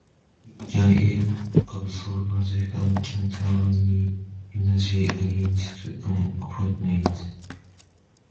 He can even absorb magic, and can turn any energy against an opponent.